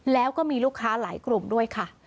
แล้วก็มีลูกค้าหลายกลุ่มด้วยค่ะ